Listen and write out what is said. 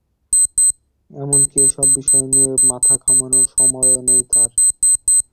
এমনকি এসব বিষয় নিয়ে মাথা ঘামানোর সময়ও নেই তাঁর।